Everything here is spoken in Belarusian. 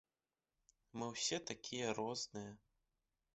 Мы ўсе такія розныя.